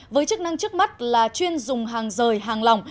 với chức năng trước mắt là chuyên dùng hàng rời hàng lỏng